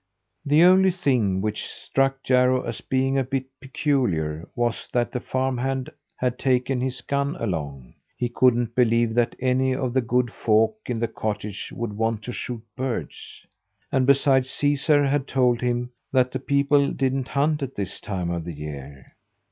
The only thing which struck Jarro as being a bit peculiar was that the farm hand had taken his gun along. He couldn't believe that any of the good folk in the cottage would want to shoot birds. And, beside, Caesar had told him that the people didn't hunt at this time of the year.